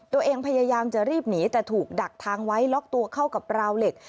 ตัวเองพยายามจะรีบหนีแต่ถูกดักทางไว้ล็อกตัวเข้ากับราวเหล็ก